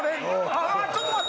ああちょっと待って！